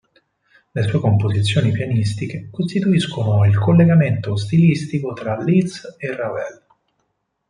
Le sue composizioni pianistiche, costituiscono il collegamento stilistico tra Liszt e Ravel.